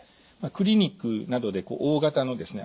クリニックなどで大型のですね